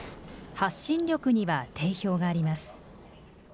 発信力には定評があります。